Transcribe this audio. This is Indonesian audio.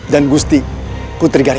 dan gusti prabu